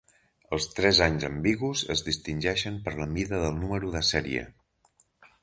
Els tres anys ambigus es distingeixen per la mida del número de sèrie.